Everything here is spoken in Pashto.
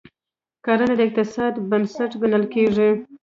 کرنه د اقتصاد بنسټ ګڼل کیږي.